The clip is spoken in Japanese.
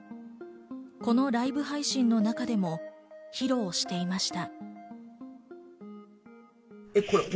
このライブ配信の中でも披露していました。